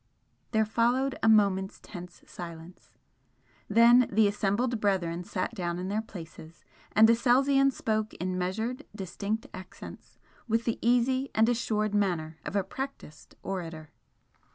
There followed a moment's tense silence. Then the assembled brethren sat down in their places, and Aselzion spoke in measured, distinct accents, with the easy and assured manner of a practised orator.